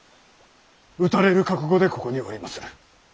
討たれる覚悟でここにおりまする。